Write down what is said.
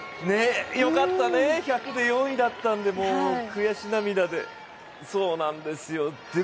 よかったね、１００で４位だったんでもう悔し涙で。